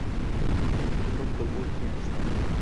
Kim bo`pti u, piyanista